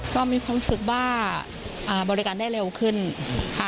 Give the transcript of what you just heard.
ก็มีความรู้สึกว่าบริการได้เร็วขึ้นค่ะ